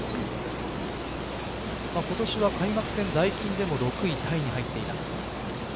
今年は開幕戦ダイキンでも６位タイに入っています。